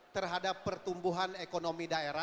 terhadap pertumbuhan ekonomi nasional